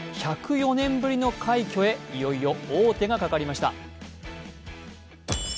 １０４年ぶりの快挙へいよいよ王手がかかりました。